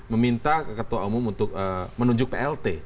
meminta ketua umum untuk menunjuk plt